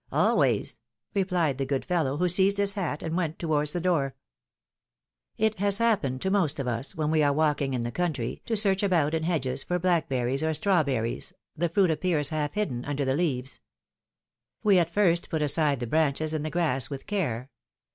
^^Always!" replied the good fellow, who seized his hat and went towards the door. 248 philom^:ne's marriages. It has happened to most of us, when we are walking in the country, to search about in hedges for blackberries or strawberries, the fruit appears half hidden under the leaves. We at first put aside the branches and the grass with care.